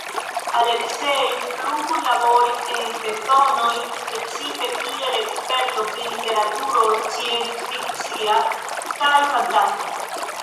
Aleksej plu kunlaboris en Sezonoj, precipe kiel eksperto pri literaturo scienc-fikcia kaj fantasta.